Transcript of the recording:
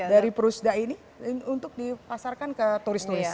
dari peruzda ini untuk dipasarkan ke turis turis